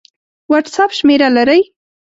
وټس اپ شمېره لرئ؟